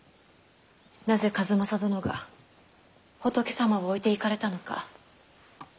なぜ数正殿が仏様を置いていかれたのか。